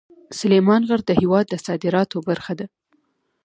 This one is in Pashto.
سلیمان غر د هېواد د صادراتو برخه ده.